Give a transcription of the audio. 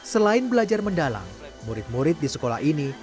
selain belajar mendalang murid murid di sekolah ini